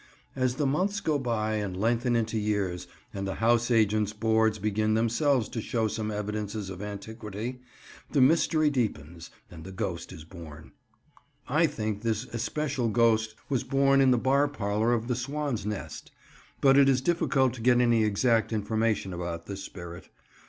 As the months go by and lengthen into years and the house agents' boards begin themselves to show some evidences of antiquity, the mystery deepens and the ghost is born. I think this especial ghost was born in the bar parlour of the "Swan's Nest." But it is difficult to get any exact information about this spirit.